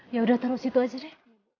ya udah taruh situ aja deh